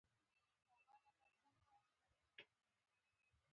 دا دوکاندار د پیرود پر وخت د موسکا هرکلی وکړ.